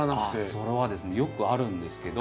それはですねよくあるんですけど。